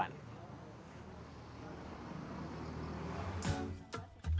kain yang dijual kiloan